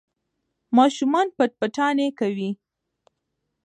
ماشومان پټ پټانې کوي.